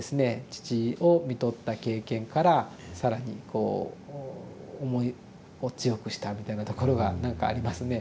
父をみとった経験から更にこう思いを強くしたみたいなところが何かありますね。